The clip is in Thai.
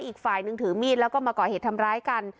อีกฝ่ายนึงถือมีดแล้วก็มาก่อเหตุทำร้ายกัน